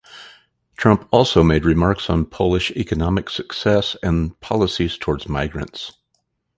Trump also made remarks on Polish economic success and policies towards migrants.